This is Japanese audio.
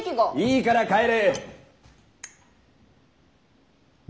いいから帰れッ。